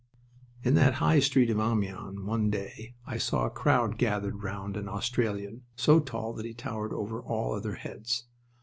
In that High Street of Amiens one day I saw a crowd gathered round an Australian, so tall that he towered over all other heads.